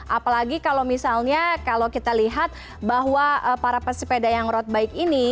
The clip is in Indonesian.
apalagi kalau misalnya kalau kita lihat bahwa para pesepeda yang road bike ini